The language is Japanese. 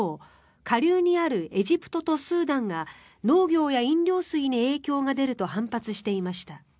下流にあるエジプトとスーダンが農業や飲料水に影響が出ると反発していました。